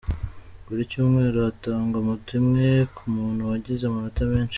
Buri cyumweru hatangwa Moto imwe ku muntu wagize amanota menshi.